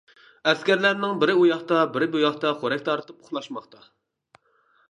ئەسكەرلەرنىڭ بىرى ئۇياقتا، بىرى بۇياقتا خورەك تارتىپ ئۇخلاشماقتا.